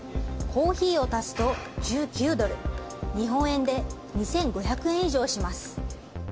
コーヒーを足すと１９ドル、日本円で２５００円以上します。